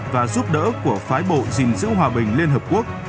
và giúp đỡ của phái bộ gìn giữ hòa bình liên hợp quốc